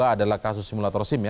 adalah kasus simulator sim ya